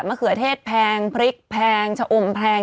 เขือเทศแพงพริกแพงชะอมแพง